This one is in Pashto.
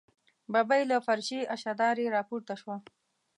ببۍ له فرشي اشدارې راپورته شوه.